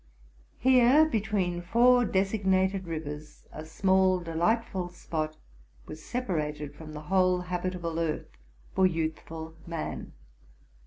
Here, between four designated rivers, a RELATING TO MY LIFE. 107 small, delightful spot was separated from the whole habitable earth, for youthful man.